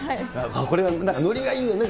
これはなんか、のりがいいよね。